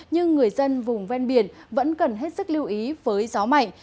nhưng người dân vùng ven biển vẫn cần hết sức lưu ý với gió mạnh